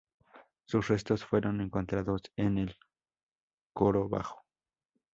Sus restos fueron encontrados en el coro bajo.